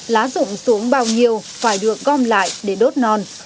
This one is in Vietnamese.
lá rụng xuống bao nhiêu phải được gom lại để đốt non